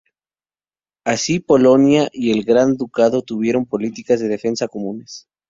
Así, Polonia y el Gran Ducado tuvieron políticas de defensa comunes.